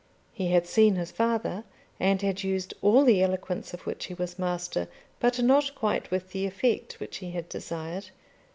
He had seen his father and had used all the eloquence of which he was master, but not quite with the effect which he had desired.